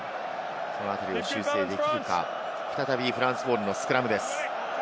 そのあたりを修正できるか、再びフランスボールのスクラムです。